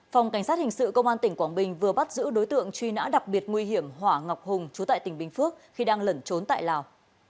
phòng cảnh sát hình sự công an tỉnh quảng bình vừa bắt giữ đối tượng truy nã đặc biệt nguy hiểm hỏa ngọc hùng chú tại tỉnh bình phước khi đang lẩn trốn tại lào